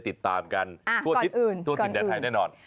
ติดตามกันทั่วทิศแดดไทยแน่นอน